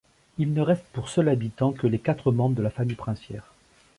Il ne reste pour seuls habitants que les quatre membres de la famille princière.